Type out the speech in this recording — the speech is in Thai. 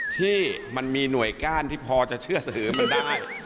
ที่มันมีหน่วยก้านที่พอจะเชื่อถือมันได้